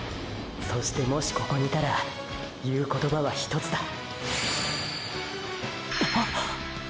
そしてもしここにいたら言う言葉はひとつだッ――！！